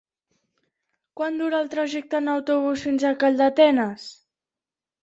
Quant dura el trajecte en autobús fins a Calldetenes?